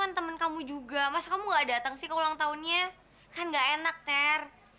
aku gak mungkin kesana sendirian ter